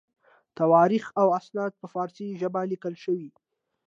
تواریخ او اسناد په فارسي ژبه لیکل شوي.